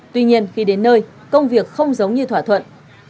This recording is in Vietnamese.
tuy nhiên khi đến nơi công việc không giống như thỏa thuận